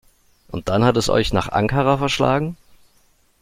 Und dann hat es euch nach Ankara verschlagen?